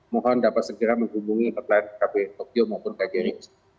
mohon dapat segera menghubungi hotline kp tokyo maupun kjri